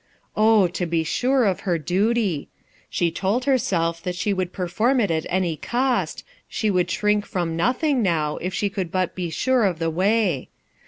Oh, to be sure of her duty ! She told herself that she would perform it at any cost, she would shrink from nothing, now, if she could but be sure of the way.